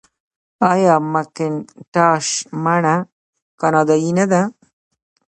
آیا مکینټاش مڼه کاناډايي نه ده؟